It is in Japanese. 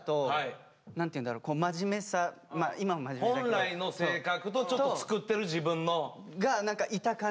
本来の性格とちょっと作ってる自分の。が何かいた感じが。